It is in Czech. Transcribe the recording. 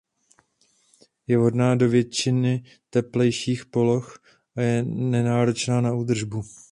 Je vhodná do většiny teplejších poloh a je nenáročná na údržbu.